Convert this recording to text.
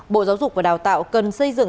bộ giáo dục và đào tạo cần xây dựng